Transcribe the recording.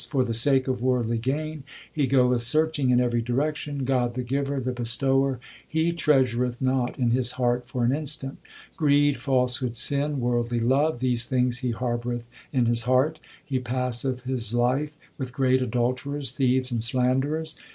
For the sake of worldly gain he goeth searching in every direction ; God, the Giver, the Bestower, he treasureth not in his heart for an instant. Greed, falsehood, sin, worldly love, these things he har boureth in his heart. He passeth his life with great adulterers, thieves, and slanderers.